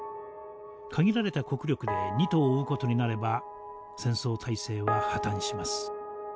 限られた国力で二兎を追う事になれば戦争体制は破綻します。